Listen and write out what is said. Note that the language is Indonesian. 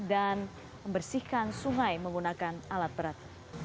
dan membersihkan sungai menggunakan alat berat